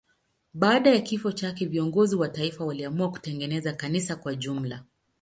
Baada ya kifo chake viongozi wa taifa waliamua kutengeneza kanisa kwa jumla.